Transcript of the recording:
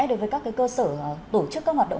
đối với các cơ sở tổ chức các hoạt động